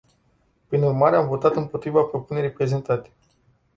Prin urmare, am votat împotriva propunerii prezentate.